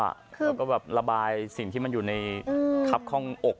แล้วก็ระบายสิ่งที่มันอยู่ในคราบข้องอก